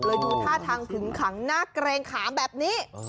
ดูท่าทางขึงขังหน้าเกรงขามแบบนี้